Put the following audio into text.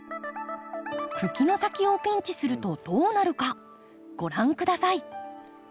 茎の先をピンチするとどうなるかご覧下さい。